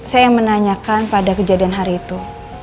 saya yang menanyakan pada kejadian hari itu